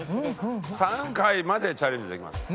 ３回までチャレンジできます。